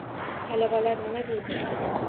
Talabalar nima deydi?